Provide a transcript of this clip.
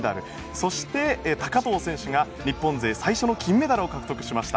そして、高藤選手が日本勢最初の獲得しました。